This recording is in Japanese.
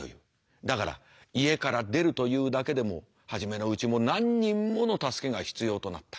だから家から出るというだけでも初めのうちも何人もの助けが必要となった。